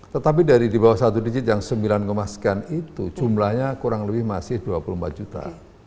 tetapi dari di bawah satu digit yang sembilan sekian itu jumlahnya kurang lebih masih dua puluh empat juta